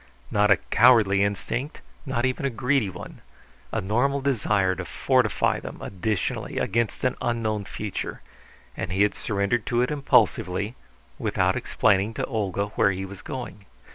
Not a cowardly instinct, not even a greedy one; a normal desire to fortify them additionally against an unknown future, and he had surrendered to it impulsively, without explaining to Olga where he was going.